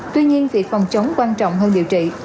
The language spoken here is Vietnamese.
tuy nhiên việc phòng chống quan trọng hơn điều trị